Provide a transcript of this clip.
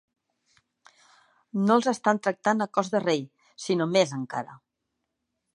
No els estan tractant a cos de rei, sinó més encara.